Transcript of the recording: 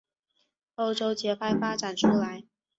欧洲节拍发展出来。